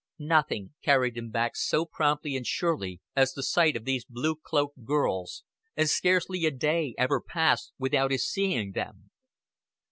Nothing carried him back so promptly and surely as the sight of these blue cloaked girls, and scarcely a day ever passed without his seeing them.